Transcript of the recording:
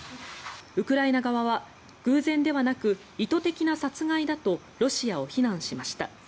ウクライナ側は偶然ではなく意図的な殺害だとロシアを非難しました。